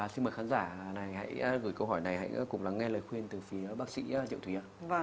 xin mời khán giả gửi câu hỏi này hãy cùng lắng nghe lời khuyên từ phía bác sĩ triệu thúy